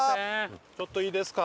ちょっといいですか？